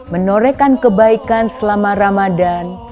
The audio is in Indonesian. menorekan kebaikan selama ramadan